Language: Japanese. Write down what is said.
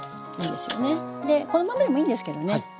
でこのままでもいいんですけどね